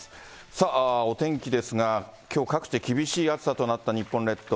さあ、お天気ですが、きょう、各地で厳しい暑さとなった日本列島。